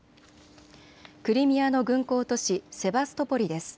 クリミアの軍港都市、セバストポリです。